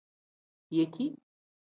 Yeki.